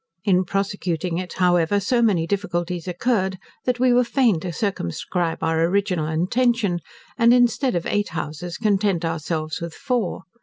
In prosecuting it, however, so many difficulties occurred, that we were fain to circumscribe our original intention; and, instead of eight houses, content ourselves with four.